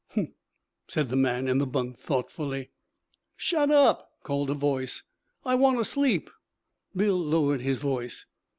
'Humph!' said the man in the bunk thoughtfully. 'Shut up!' called a voice. 'I want to sleep.' Bill lowered his voice.